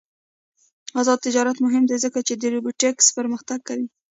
آزاد تجارت مهم دی ځکه چې روبوټکس پرمختګ کوي.